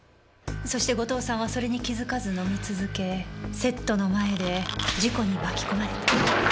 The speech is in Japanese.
そして後藤さんはそれに気づかず飲み続けセットの前で事故に巻き込まれた。